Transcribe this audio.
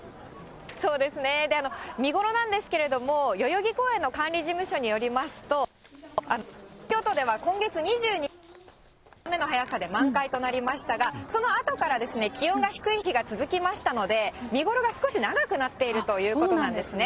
見頃なんですけれども、代々木公園の管理事務所によりますと、今月２２日の早さで満開になりましたが、そのあとから気温が低い日が続きましたので、見頃が少し長くなっているということなんですね。